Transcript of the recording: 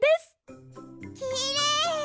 きれい！